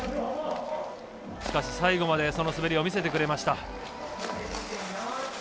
しかし、最後までその滑りを見せてくれました。